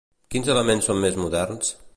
Quins elements són més moderns?